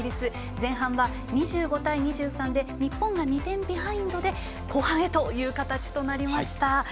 前半は２５対２３で日本が２点ビハインドで後半へという形となりました。